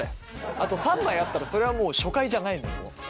あと３枚あったらそれはもう初回じゃないのよもう。